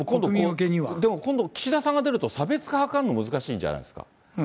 でも今度、岸田さんが出ると差別化図るの難しいんじゃないんですか？